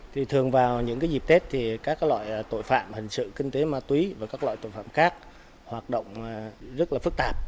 thì thường vào những dịp tết thì các loại tội phạm hình sự kinh tế ma túy và các loại tội phạm khác hoạt động rất là phức tạp